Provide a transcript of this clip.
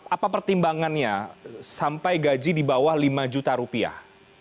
apa pertimbangannya sampai gaji di bawah lima juta rupiah